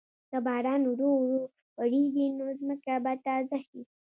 که باران ورو ورو وریږي، نو ځمکه به تازه شي.